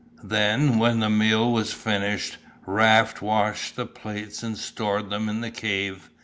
Then, when the meal was finished, Raft washed the plates and stored them in the cave.